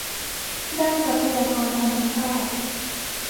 ด้านทรัพยากรธรรมชาติ